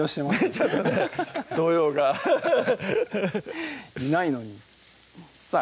ちょっとね動揺がハハハいないのにさぁ